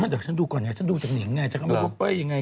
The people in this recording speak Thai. เดี๋ยวฉันดูก่อนไงฉันดูจากหนิงไงจะกำลังไปดูเพ้อย่างไร